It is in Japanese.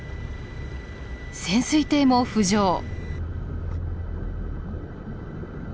潜水艇も浮上。